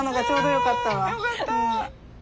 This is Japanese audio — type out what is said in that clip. よかった。